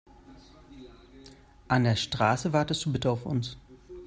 An der Straße wartest du bitte auf uns.